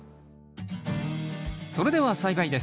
それでは栽培です。